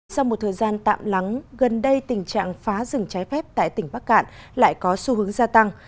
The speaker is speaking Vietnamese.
sau một thời gian tạm lắng gần đây tình trạng phá rừng trái phép tại tỉnh bắc cạn lại có xu hướng gia tăng